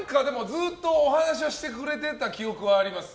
ずっとお話はしてくれてた記憶はあります。